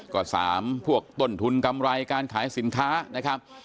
ก็๓พวกต้นทุนกำไรการขายสินค้านะครับ